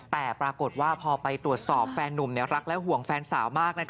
แต่ปรากฏว่าพอไปตรวจสอบแฟนนุ่มรักและห่วงแฟนสาวมาก